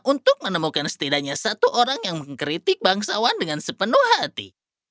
untuk menemukan setidaknya satu orang yang mengkritik bangsawan dengan sepenuh hati